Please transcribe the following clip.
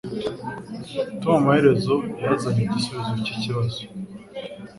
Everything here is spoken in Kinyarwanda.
Tom amaherezo yazanye igisubizo cyikibazo.